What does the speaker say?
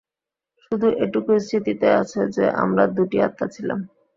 শুধু এটুকুই স্মৃতিতে আছে যে, আমরা দু-টি আত্মা ছিলাম।